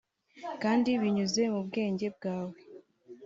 kandi binyuze mu bwenge bwawe